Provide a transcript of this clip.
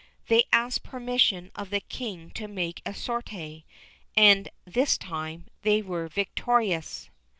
They asked permission of the King to make a sortie, and this time they were victorious.